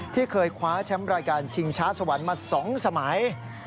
ที่เคยคว้าแชมป์รายการชิงช้าสวรรค์มา๒สมัย